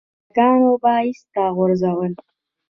چې هلکانو به ايسته غورځول.